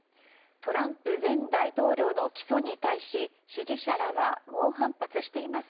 トランプ前大統領の起訴に対し支持者らは猛反発しています。